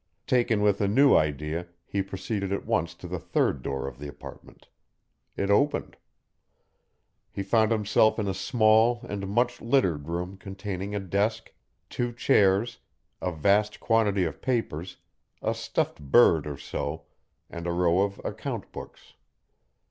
Taken with a new idea he proceeded at once to the third door of the apartment. It opened. He found himself in a small and much littered room containing a desk, two chairs, a vast quantity of papers, a stuffed bird or so, and a row of account books.